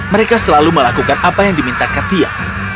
mereka selalu melakukan apa yang diminta katia